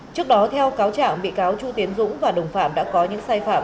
trước đó theo cáo trạng bị cáo chu tiến dũng và đồng phạm đã có những sai phạm